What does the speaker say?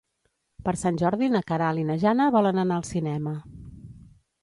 Per Sant Jordi na Queralt i na Jana volen anar al cinema.